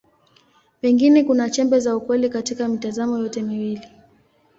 Pengine kuna chembe za ukweli katika mitazamo yote miwili.